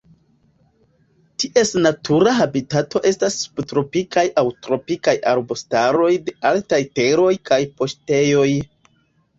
Ties natura habitato estas subtropikaj aŭ tropikaj arbustaroj de altaj teroj kaj paŝtejoj.